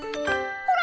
ほら！